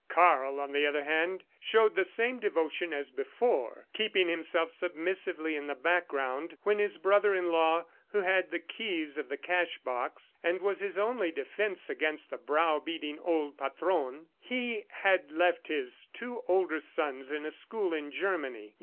Karl, on the other hand, showed the same devotion as before, keeping himself submissively in the background when with his brother in law who had the keys of the cash box and was his only defense against the browbeating old Patron. ... He had left his two older sons in a school in Germany.